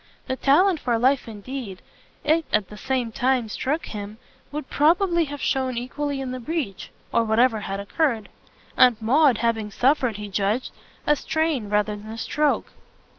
The talent for life indeed, it at the same time struck him, would probably have shown equally in the breach, or whatever had occurred; Aunt Maud having suffered, he judged, a strain rather than a stroke.